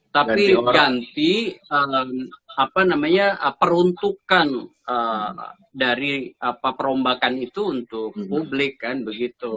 tapi ganti peruntukan dari perombakan itu untuk publik kan begitu